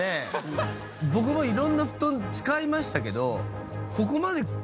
僕も色んな布団使いましたけど。